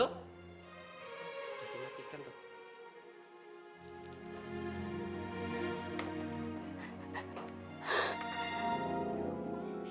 sudah dimatikan tuh